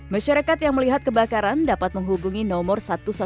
masyarakat yang melihat kebakaran dapat menghubungi nomor satu ratus dua belas